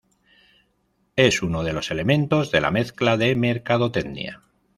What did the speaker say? Es uno de los elementos de la Mezcla de mercadotecnia.